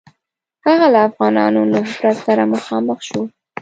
هغه له افغانانو نهضت سره مخامخ شو.